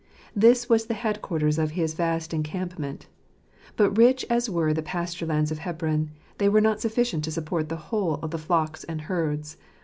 This was the head quarters of his vast encamp ment. But rich as were the pasture lands of Hebron, they were not sufficient to support the whole of the flocks and herds.